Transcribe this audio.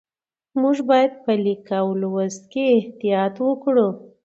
موږ باید په لیک او لوست کې احتیاط وکړو